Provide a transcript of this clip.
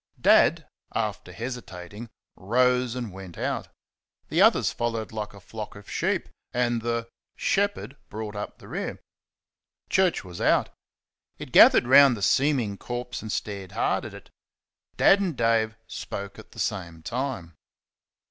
Dad, after hesitating, rose and went out. The others followed like a flock of sheep; and the "shepherd" brought up the rear. Church was out. It gathered around the seeming corpse, and stared hard at it. Dad and Dave spoke at the same time.